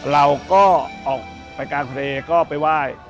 เราก็ออกไปกลางทะเลก็ไปไหว้